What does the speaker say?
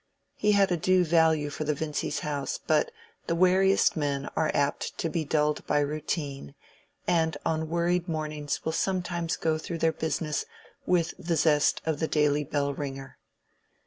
He had a due value for the Vincys' house, but the wariest men are apt to be dulled by routine, and on worried mornings will sometimes go through their business with the zest of the daily bell ringer.